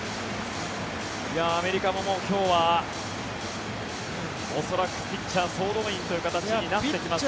アメリカももう今日は恐らくピッチャー総動員という形になってきますね。